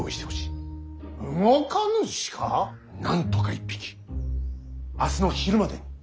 なんとか１匹明日の昼までに。